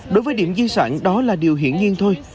đối với điểm di sản đó là điều hiển nhiên thôi